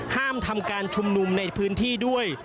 ห้ามทำการชุมนุมในพื้นที่ด้วย